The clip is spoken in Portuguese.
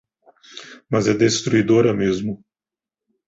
Mas é destruidora mesmo